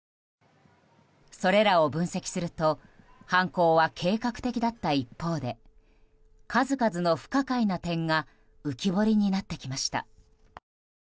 それらを分析すると犯行は計画的だった一方で数々の不可解な点が浮き彫りになってきました。